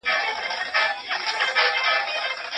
سړی د درملو د پلاستیک په لټه کې و.